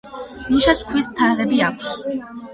ნიშებს ქვის თაღები აქვს.